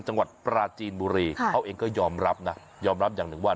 จังหวัดปราจีนบุรีเขาเองก็ยอมรับนะยอมรับอย่างหนึ่งว่า